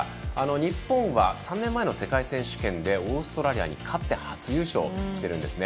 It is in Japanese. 日本は、３年前の世界選手権でオーストラリアに勝って初優勝しているんですね。